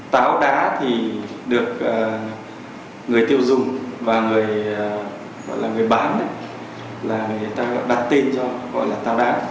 táo đá thì được người tiêu dùng và người bán người ta đặt tên cho gọi là táo đá